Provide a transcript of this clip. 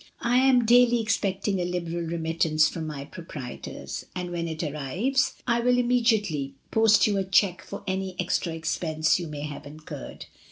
I am daily expecting a liberal remittance from my proprietors, and when it arrives 264 MRS. DYMOND. I will immediately post you a cheque for any extra expense you may have incurred.